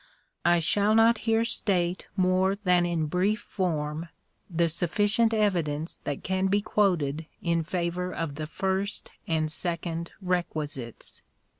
I shall not here state more than in brief form, the sufficient evidence that can be quoted in favor of the first and second requisites.